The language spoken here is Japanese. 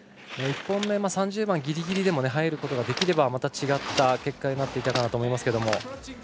１本目、３０番ギリギリでも入ることができていればまた違った結果になっていたかなと思いますが。